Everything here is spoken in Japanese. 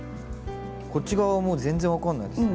こっち側はもう全然分かんないですね。